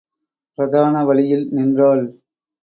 பிரதான வழியில் நின்றாள்.